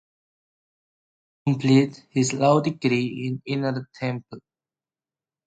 He completed his law degree in Inner Temple.